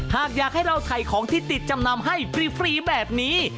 หากอยากให้เราถ่ายของที่ติดจำนำให้ฟรีแบบนี้